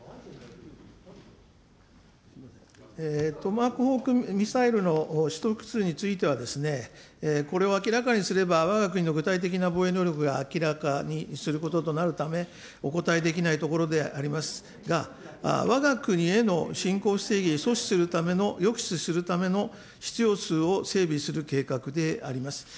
トマホークミサイルの取得数については、これは明らかにすれば、わが国の具体的な防衛能力が明らかにすることとなるため、お答えできないところでありますが、わが国への侵攻勢力を阻止するための、抑止するための必要数を整備する計画であります。